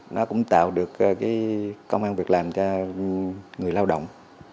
nó cũng tạo được cái công an việc làm cho người lao động